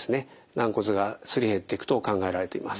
軟骨がすり減っていくと考えられています。